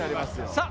さあ。